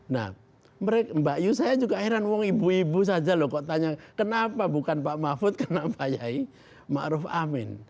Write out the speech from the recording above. nah mbak yusaya juga heran wong ibu ibu saja loh kok tanya kenapa bukan pak mahfud kenapa yai ma'ruf amin